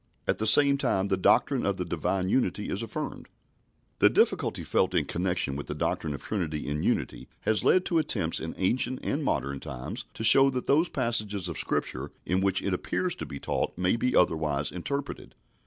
At the same time the doctrine of the Divine Unity is affirmed. The difficulty felt in connection with the doctrine of Trinity in Unity has led to attempts in ancient and modern times to show that those passages of Scripture in which it appears to be taught may be otherwise interpreted.